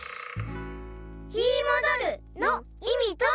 ・「ひもどる」のいみとは？